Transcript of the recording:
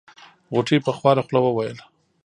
غوټۍ په خواره خوله وويل.